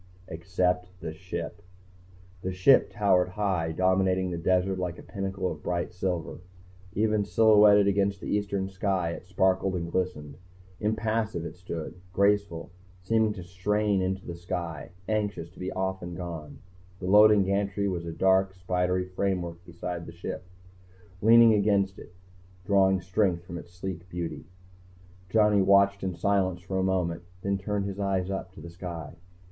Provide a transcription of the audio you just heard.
Except the Ship. The Ship towered high, dominating the desert like a pinnacle of bright silver. Even silhouetted against the eastern sky, it sparkled and glistened. Impassive it stood, graceful, seeming to strain into the sky, anxious to be off and gone. The loading gantry was a dark, spidery framework beside The Ship, leaning against it, drawing strength from its sleek beauty. Johnny watched it in silence for a moment, then turned his eyes up, to the sky.